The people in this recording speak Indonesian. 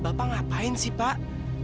bapak ngapain sih pak